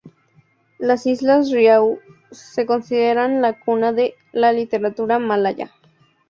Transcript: Las islas Riau se consideran la cuna de la literatura malaya.